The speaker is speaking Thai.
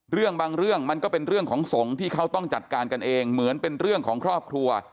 เรื่องบางเรื่องมันก็เป็นเรื่องของสงฆ์ที่เขาต้องจัดการกันเองเหมือนเป็นเรื่องของครอบครัว